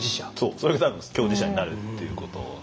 それが多分共事者になるっていうこと。